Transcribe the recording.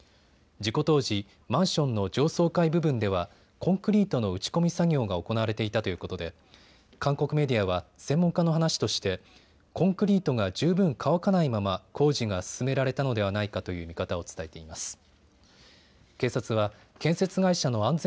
事故当時、マンションの上層階部分ではコンクリートの打ち込み作業が行われていたということで韓国メディアは専門家の話としてコンクリートが十分乾かないまま工事が進められたのではないかという見方を伝えています。